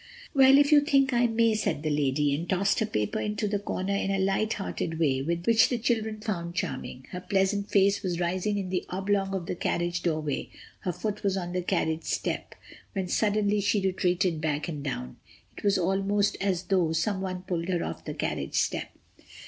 "Well, if you think I may," said the lady, and tossed her paper into the corner in a lighthearted way which the children found charming. Her pleasant face was rising in the oblong of the carriage doorway, her foot was on the carriage step, when suddenly she retreated back and down. It was almost as though someone pulled her off the carriage step.